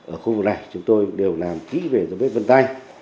ở khu vực này chúng tôi đều làm kỹ về dấu vết vân tay